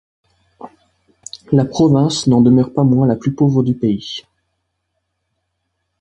La province n'en demeure pas moins la plus pauvre du pays.